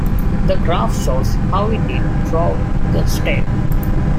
The graph shows how it did throughout the state.